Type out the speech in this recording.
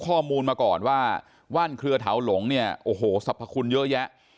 ข้อมูลมาก่อนว่าว่านเครือเถาหลงเนี่ยโอ้โหสรรพคุณเยอะแยะ